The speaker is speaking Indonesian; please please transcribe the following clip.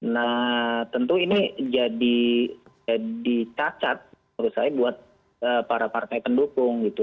nah tentu ini jadi cacat menurut saya buat para partai pendukung gitu